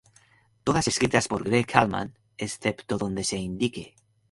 Todas escritas por Gregg Allman, excepto donde se indique.